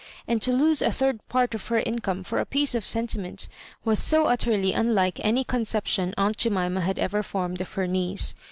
And to lose a third part of her income for a piece of sentiment was so utterly unlike any conception aunt Jemima had ever formed of her niece.